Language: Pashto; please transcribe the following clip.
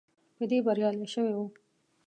په دې بریالی شوی وو.